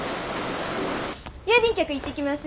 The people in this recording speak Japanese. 郵便局行ってきます。